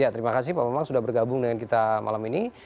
terima kasih pak bambang sudah bergabung dengan kita malam ini